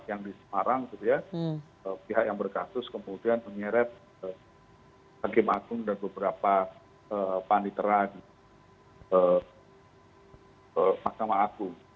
yang di semarang pihak yang berkasus kemudian menyeret hakim agung dan beberapa paham diterani ke mahkamah agung